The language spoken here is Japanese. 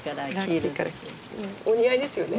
お似合いですよね。